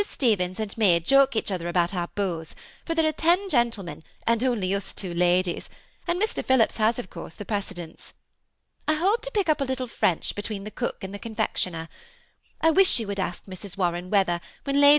Stevens and me joke each other about our beaux, for there are ten gentlemen, and only us two ladies, and Mr. Phillips hasj of course, the precedence. I hope to pick up a lit tle French between the cx)ok and the confectioner. 1 wish you would ask Mrs. Warren whether, when Lady THE SEMI ATTAOHED COUPLE.